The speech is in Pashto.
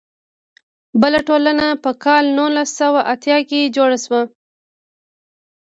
بله ټولنه په کال نولس سوه اتیا کې جوړه شوه.